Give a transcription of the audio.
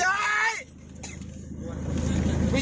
ตายแล้วนี่